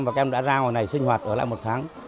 các em đã ra hồi này sinh hoạt ở lại một tháng